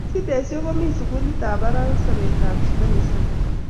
sidesiek komii sukulit ap parak ak sapet ap chito nesapei